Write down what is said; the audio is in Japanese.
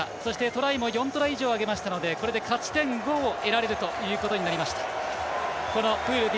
トライも４トライ以上あげましたので、これで勝ち点５を得られるということになりました。